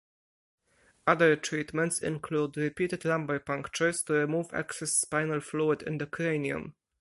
Other treatments include repeated lumbar punctures to remove excess spinal fluid in the cranium.